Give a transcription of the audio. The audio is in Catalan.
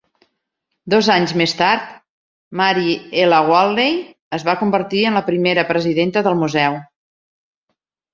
Dos anys més tard, Marie L. Wadley es va convertir en la primera presidents del museu.